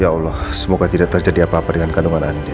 ya allah semoga tidak terjadi apa apa dengan kandungan andi